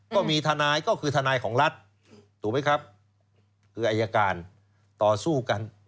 ก็มีทนายก็คือทนายของรัฐถูกไหมครับคืออายการต่อสู้กัน